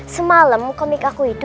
semalam komik aku itu